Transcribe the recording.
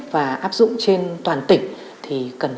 và áp dụng trên toàn tỉnh